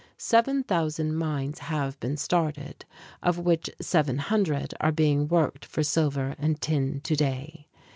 Seven thousand mines have been started, of which seven hundred are being worked for silver and tin today.